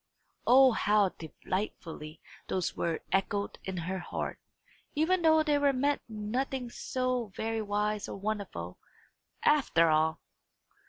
O how delightfully those words echoed in her heart, even though they meant nothing so very wise or wonderful, after all!